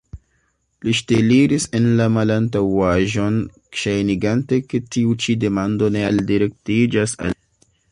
Li ŝteliris en la malantaŭaĵon, ŝajnigante, ke tiu ĉi demando ne aldirektiĝas al li.